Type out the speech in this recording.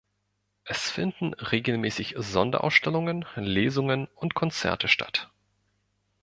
Es finden regelmäßig Sonderausstellungen, Lesungen und Konzerte statt.